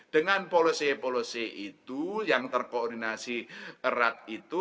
dengan polosi polosi itu yang terkoordinasi erat itu